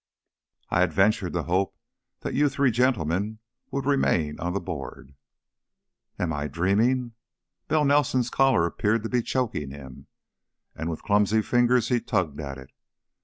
"I had ventured to hope that you three gentlemen would remain on the board." "Am I dreaming?" Bell Nelson's collar appeared to be choking him, and with clumsy fingers he tugged at it.